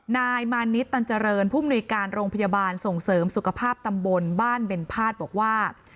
นายมานิดตันเจริญผู้มนุยการโรงพยาบาลส่งเสริมสุขภาพตำบลบ้านเบนพาดบอกว่า